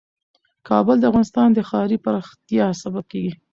کابل د افغانستان د ښاري پراختیا سبب کېږي.